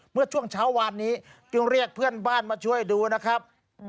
เมื่อช่วงเช้าวานนี้จึงเรียกเพื่อนบ้านมาช่วยดูนะครับ